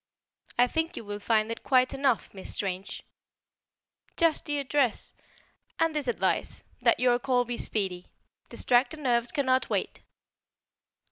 "I think you will find it quite enough, Miss Strange." "Just the address " "And this advice: that your call be speedy. Distracted nerves cannot wait."